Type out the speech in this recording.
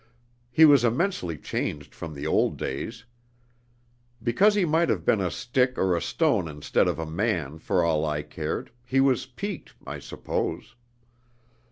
He was immensely changed from the old days. Because he might have been a stick or a stone instead of a man for all I cared, he was piqued, I suppose.